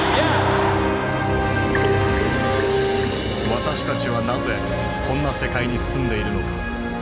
私たちはなぜこんな世界に住んでいるのか。